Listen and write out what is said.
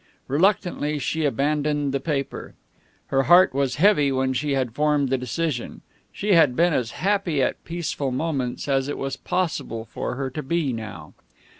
Reluctantly, she abandoned the paper. Her heart was heavy when she had formed the decision. She had been as happy at Peaceful Moments as it was possible for her to be now.